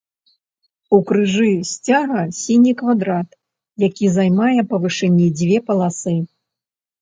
У крыжы сцяга сіні квадрат, які займае па вышыні дзве паласы.